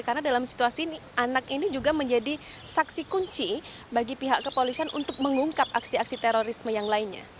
karena dalam situasi ini anak ini juga menjadi saksi kunci bagi pihak kepolisian untuk mengungkap aksi aksi terorisme yang lainnya